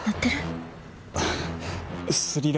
あっ。